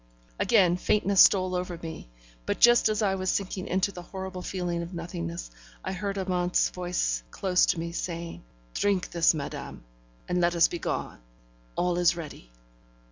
Again faintness stole over me; but just as I was sinking into the horrible feeling of nothingness, I heard Amante's voice close to me, saying: 'Drink this, madame, and let us begone. All is ready.'